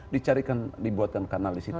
dicarikan dibuatkan kanal di situ